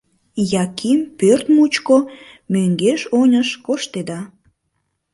Яким пӧрт мучко мӧҥгеш-оньыш коштеда.